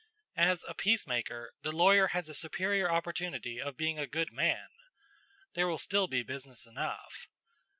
As a peacemaker, the lawyer has a superior opportunity of being a good man. There will still be business enough.